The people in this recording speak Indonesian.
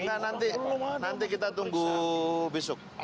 enggak nanti kita tunggu besok